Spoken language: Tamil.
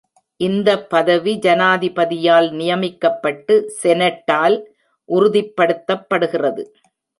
இந்த பதவி ஜனாதிபதியால் நியமிக்கப்பட்டு செனட்டால் உறுதிப்படுத்தப்படுகிறது.